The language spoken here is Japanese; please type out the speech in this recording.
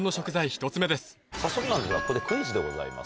早速なんですがここでクイズでございます。